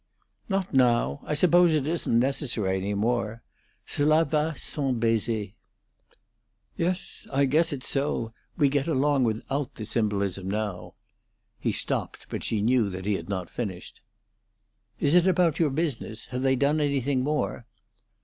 "Not now. I suppose it isn't necessary any more. 'Cela va sans baiser.'" "Yes, I guess it's so; we get along without the symbolism now." He stopped, but she knew that he had not finished. "Is it about your business? Have they done anything more?"